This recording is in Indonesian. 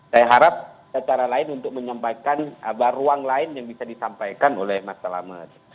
saya harap cara lain untuk menyampaikan ruang lain yang bisa disampaikan oleh mas selamat